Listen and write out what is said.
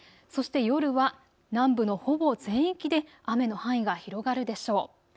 そして夜は南部のほぼ全域で雨の範囲が広がるでしょう。